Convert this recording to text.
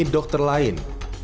ini dokter lain